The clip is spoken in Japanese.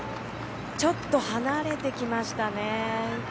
ちょっと離れてきましたね。